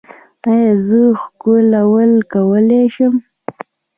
ایا زه ښکلول کولی شم؟